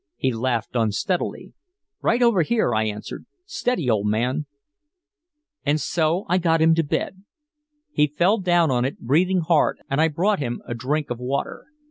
He laughed unsteadily. "Right over here," I answered. "Steady, old man " And so I got him to his bed. He fell down on it breathing hard and I brought him a drink of water.